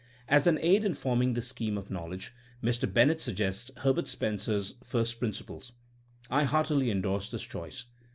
'*^ As an aid in form ing this scheme of knowledge, Mr. Bennett sug gests Herbert Spencer's First Principles. I heartily endorse his choice.